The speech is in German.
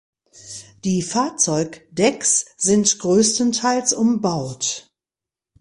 Die Fahrzeugdecks sind größtenteils umbaut.